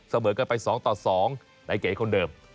เสมอกันไป๒ต่อ๒ในเก๋คนเดิม